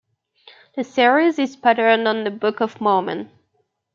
The series is patterned on the Book of Mormon.